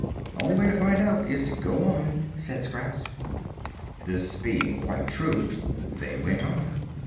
"Only way to find out is to go on," said Scraps. This being quite true, they went on.